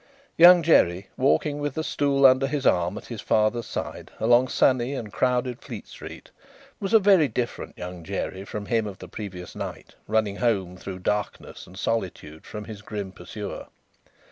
Young Jerry, walking with the stool under his arm at his father's side along sunny and crowded Fleet street, was a very different Young Jerry from him of the previous night, running home through darkness and solitude from his grim pursuer.